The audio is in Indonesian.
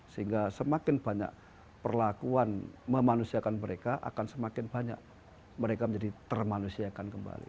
sehingga semakin banyak perlakuan memanusiakan mereka akan semakin banyak mereka menjadi termanusiakan kembali